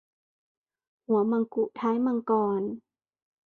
หัวมังกุท้ายมังกร